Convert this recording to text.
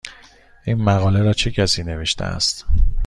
این مقاله را چه کسی نوشته است؟